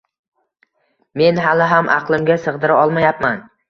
men hali ham aqlimga sig‘dira olmayapman.